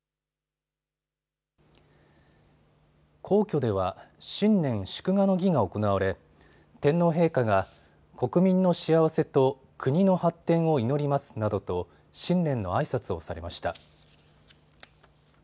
皇居では新年祝賀の儀が行われ天皇陛下が国民の幸せと国の発展を祈りますなどと新年のあいさつをされました。